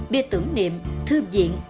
bia tưởng niệm thư viện